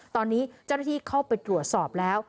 ตอนนี้เจ้าหน้าที่เข้าไปตรวจสอบแล้ว